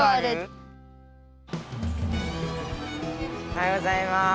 おはようございます。